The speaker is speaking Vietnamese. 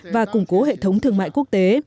và củng cố hệ thống thương mại quốc tế